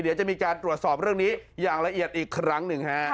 เดี๋ยวจะมีการตรวจสอบเรื่องนี้อย่างละเอียดอีกครั้งหนึ่งฮะ